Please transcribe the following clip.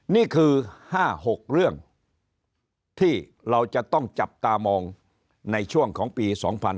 นี่คือ๕๖เรื่องที่เราจะต้องจับตามองในช่วงของปี๒๕๕๙